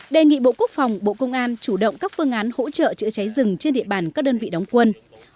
đề nghị bộ quốc phòng bộ công an chủ động các phương án hỗ trợ chữa cháy rừng trên địa bàn các đơn vị đóng quân